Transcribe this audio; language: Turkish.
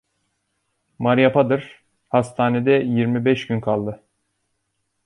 Maria Puder, hastanede yirmi beş gün kaldı.